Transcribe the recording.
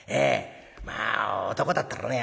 まあ男だったらね